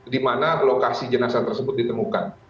di mana lokasi jenazah tersebut ditemukan